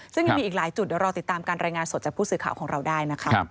ซึ่งยังมีอีกหลายจุดเดี๋ยวรอติดตามการรายงานสดจากผู้สื่อข่าวของเราได้นะคะ